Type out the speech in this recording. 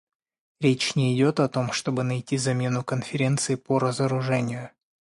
Речь не идет о том, чтобы найти замену Конференции по разоружению.